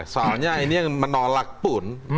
soalnya ini yang menolak pun